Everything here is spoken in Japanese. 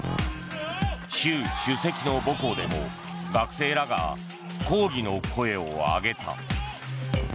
習主席の母校でも学生らが抗議の声を上げた。